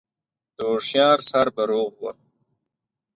د هوښيار سر به روغ و